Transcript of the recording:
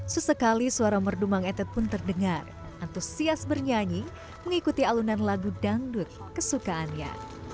sesekali suara merdumang ete pun terdengar antusias bernyanyi mengikuti alunan lagu dangdut kesukaannya